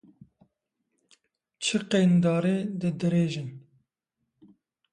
Çiqên darê di dirêjin